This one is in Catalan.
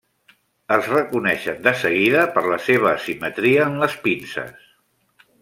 Es reconeixen de seguida per la seva asimetria en les pinces.